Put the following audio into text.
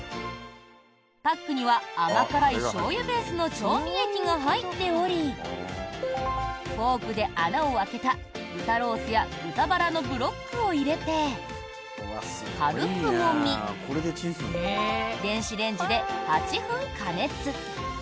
パックには甘辛い醤油ベースの調味液が入っておりフォークで穴を開けた豚ロースや豚バラのブロックを入れて、軽くもみ電子レンジで８分加熱。